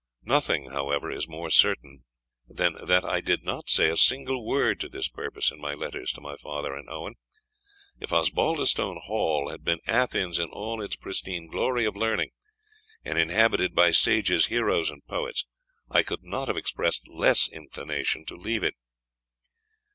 Nothing, however, is more certain, than that I did not say a single word to this purpose in my letters to my father and Owen. If Osbaldistone Hall had been Athens in all its pristine glory of learning, and inhabited by sages, heroes, and poets, I could not have expressed less inclination to leave it.